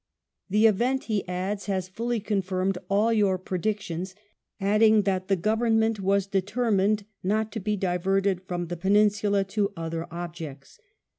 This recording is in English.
"The event," he added, "has fully confirmed all your predictions," adding that the Government was " determined not to be diverted from the Peninsula to other objects."